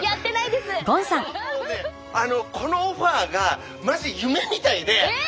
このオファーがマジ夢みたいで。え！